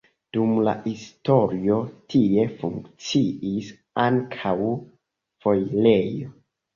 Dum la historio tie funkciis ankaŭ foirejo.